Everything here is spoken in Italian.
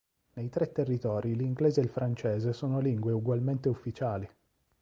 Nei tre territori l'inglese e il francese sono lingue ugualmente ufficiali.